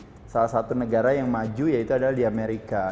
jadi salah satu negara yang maju yaitu adalah di amerika